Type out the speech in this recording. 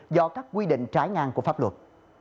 do các quy định trái ngang của pháp luật